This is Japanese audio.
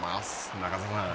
中澤さん